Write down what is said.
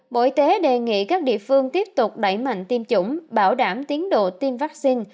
bộ y tế đề nghị các địa phương tiếp tục đẩy mạnh tiêm chủng bảo đảm tiến độ tiêm vaccine